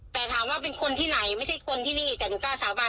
แต่ถามว่าเป็นคนที่ไหนไม่ใช่คนที่นี่แต่หนูกล้าสาบาน